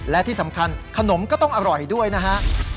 และที่สำคัญขนมก็ต้องอร่อยด้วยนะฮะ